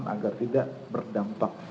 agar tidak berdampak